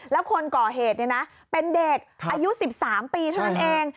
แล้วคนก่อเหตุเป็นเด็กอายุ๑๓ปีเท่านั้นเอง